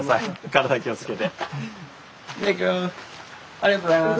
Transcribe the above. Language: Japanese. ありがとうございます。